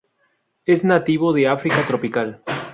Es nativo de África tropical.